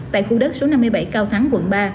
tại khu đất số năm mươi bảy cao thắng quận ba